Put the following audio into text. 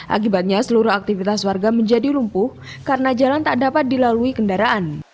akibatnya seluruh aktivitas warga menjadi lumpuh karena jalan tak dapat dilalui kendaraan